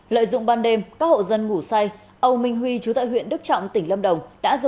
lợi dụng ban đêm các hộ dân ngủ say âu minh huy chú tại huyện đức trọng tỉnh lâm đồng đã rủ